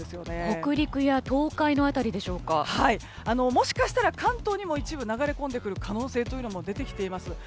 もしかしたら関東にも一部流れ込んでくる可能性も出てきています。